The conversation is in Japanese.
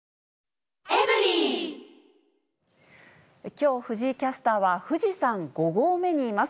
きょう、藤井キャスターは富士山５合目にいます。